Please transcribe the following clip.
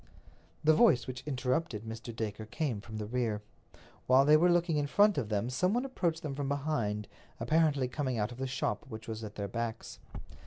The voice which interrupted Mr. Dacre came from the rear. While they were looking in front of them some one approached them from behind, apparently coming out of the shop which was at their backs.